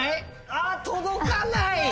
あぁ届かない！